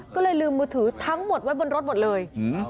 ก็เลยลืมมือถือทั้งหมดไว้บนรถหมดเลย